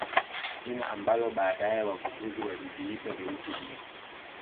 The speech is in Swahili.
Jina ambalo baadaye wavumbuzi waliviita virusi hivi